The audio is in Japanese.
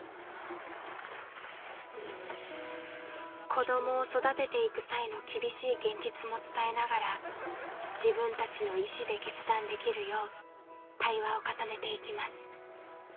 子どもを育てていく際の厳しい現実も伝えながら自分たちの意思で決断できるよう対話を重ねていきます。